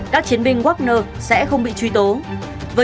các chiến binh wagner sẽ không bị truy tố